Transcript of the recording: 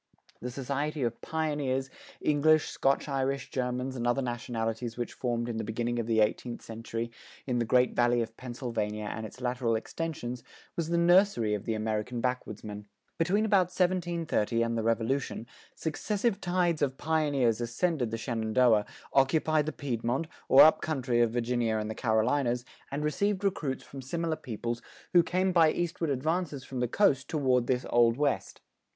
The society of pioneers, English, Scotch Irish, Germans, and other nationalities which formed in the beginning of the eighteenth century in the Great Valley of Pennsylvania and its lateral extensions was the nursery of the American backwoodsmen. Between about 1730 and the Revolution, successive tides of pioneers ascended the Shenandoah, occupied the Piedmont, or up country of Virginia and the Carolinas, and received recruits from similar peoples who came by eastward advances from the coast toward this Old West.